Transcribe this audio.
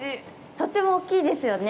とっても大きいですよね。